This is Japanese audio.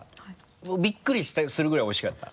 びっくりするぐらいおいしかった？